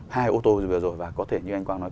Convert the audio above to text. hai ô tô vừa rồi và có thể như anh quang nói